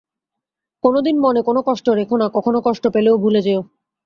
কোনো দিন মনে কোনো কষ্ট রেখো না, কখনো কষ্ট পেলেও ভুলে যেয়ো।